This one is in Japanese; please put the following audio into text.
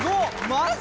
マジ？